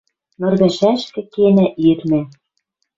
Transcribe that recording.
Ныр пӓшӓшкӹ кенӓ ир мӓ